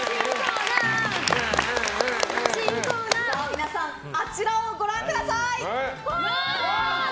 皆さん、あちらをご覧ください。